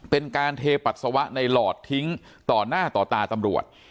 เป็นการเทปัสสาวะในหลอดทิ้งต่อหน้าต่อตาตำรวจ